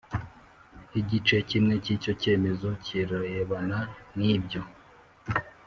igice cyimwe cy icyo cyemezo kirebana nibyo